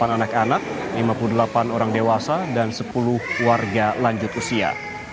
delapan anak anak lima puluh delapan orang dewasa dan sepuluh warga lanjut usia